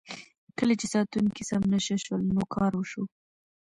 کله چې ساتونکي سم نشه شول نو کار وشو.